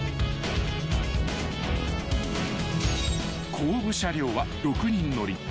［後部車両は６人乗り］